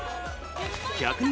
１００人